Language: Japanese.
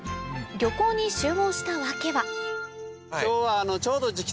漁港に集合した訳ははい。